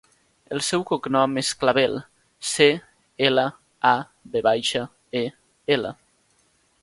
El seu cognom és Clavel: ce, ela, a, ve baixa, e, ela.